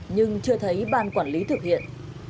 nhưng chưa thấy ban quản lý thực hiện